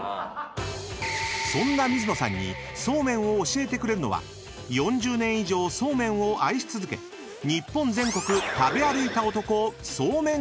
［そんな水野さんにそうめんを教えてくれるのは４０年以上そうめんを愛し続け日本全国食べ歩いた男］